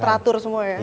teratur semua ya